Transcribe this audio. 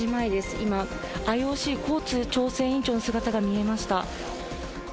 今、ＩＯＣ、コーツ調整委員長の姿が見えました。